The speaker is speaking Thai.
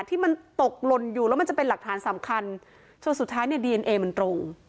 ที่มันตกหล่นอยู่แล้วมันจะเป็นหลักฐานสำคัญจนสุดท้ายเนี่ยดีเอนเอมันตรง